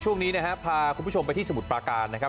ช่วงนี้นะฮะพาคุณผู้ชมไปที่สมุทรปราการนะครับ